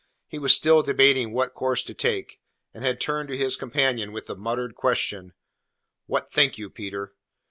He was still debating what course to take, and had turned to his companion with the muttered question: "What think you, Peter?"